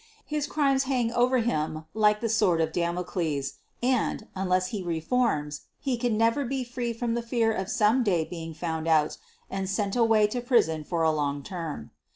His crimes hang over him like the sword of Damocles, and, unless he re forms, he can never be free from the fear of some day being found out and sent away to prison for a long term.